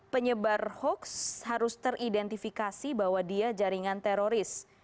penyebar hoax harus teridentifikasi bahwa dia jaringan teroris